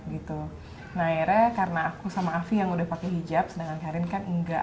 akhirnya karena aku sama afi yang udah pakai hijab sedangkan karin kan enggak